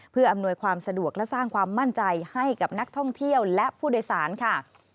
เพื่ออำนวยความสะดวกและสร้างความมั่นใจให้กับนักท่องเที่ยวและผู้โดยสารค่ะ